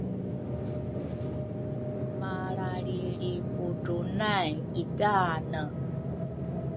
malralrilrikuarunay idaane.